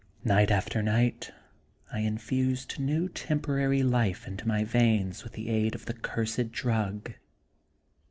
Night after night I infused new temporary life into my veins with the aid of the cursed drug.